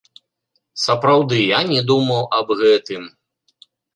Сапраўды, я не думаў аб гэтым.